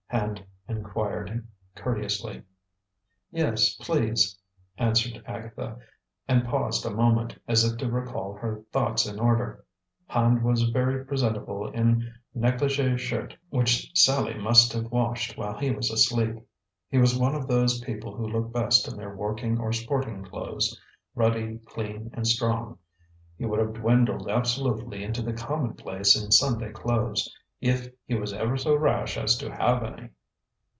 Hand inquired courteously. "Yes, please," answered Agatha, and paused a moment, as if to recall her thoughts in order. Hand was very presentable, in negligée shirt which Sallie must have washed while he was asleep. He was one of those people who look best in their working or sporting clothes, ruddy, clean and strong. He would have dwindled absolutely into the commonplace in Sunday clothes, if he was ever so rash as to have any.